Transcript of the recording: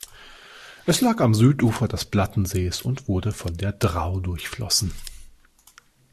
Es lag am Südufer des Plattensees und wurde von der Drau durchflossen.